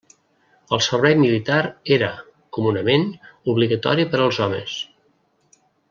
El servei militar era, comunament, obligatori per als homes.